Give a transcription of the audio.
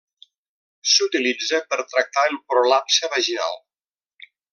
S'utilitza per tractar el prolapse vaginal.